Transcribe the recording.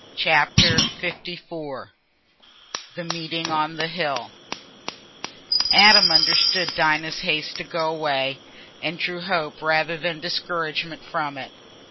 Chapter LIV The Meeting on the Hill Adam understood Dinah's haste to go away, and drew hope rather than discouragement from it.